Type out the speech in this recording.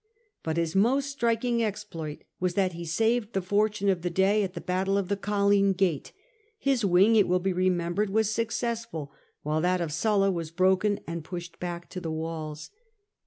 But his most striking exploit was that he saved the fortune of the day at the battle of the Colline gate ; his wing, it will be remem bered, was successful, while that of Sulla was broken and pushed back to the walls.